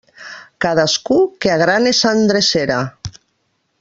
Cadascú que agrane sa endrecera.